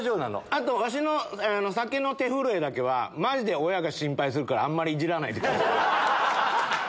あとワシの酒の手震えだけはマジで親が心配するからあんまりいじらないでください。